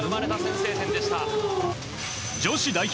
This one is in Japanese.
女子代表